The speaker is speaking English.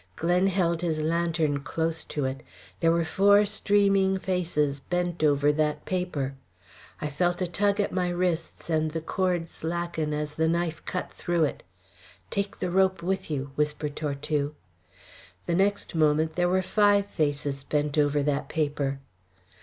Glen held his lantern close to it. There were four streaming faces bent over that paper. I felt a tug at my wrists and the cord slacken as the knife cut through it. "Take the rope with you," whispered Tortue. The next moment there were five faces bent over that paper.